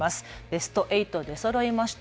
ベスト８出そろいました。